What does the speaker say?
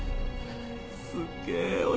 すげえ俺。